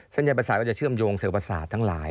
เส้นใหญ่ประสาทก็จะเชื่อมโยงเซลล์ประสาททั้งหลาย